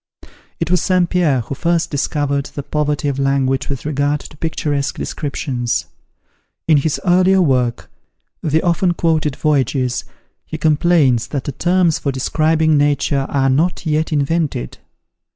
It was St. Pierre who first discovered the poverty of language with regard to picturesque descriptions. In his earliest work, the often quoted "Voyages," he complains, that the terms for describing nature are not yet invented.